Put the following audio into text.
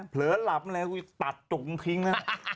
เผลอหลับมาแล้วตัดจุงพิงนะ